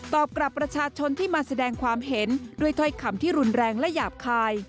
กับประชาชนที่มาแสดงความเห็นด้วยถ้อยคำที่รุนแรงและหยาบคาย